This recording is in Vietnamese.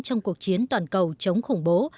trong cuộc chiến toàn cầu chống khủng bố